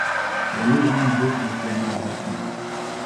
La légende veut qu’il soit mort de faim.